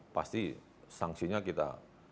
pasti sanksinya kita